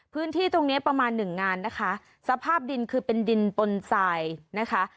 พื้นที่ตรงเนี้ยประมาณหนึ่งงานนะคะสภาพดินคือเป็นดินปนสายนะคะ